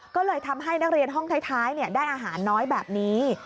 ก็เลยทำให้นักเรียนห้องท้ายได้อาหารน้อยแบบนี้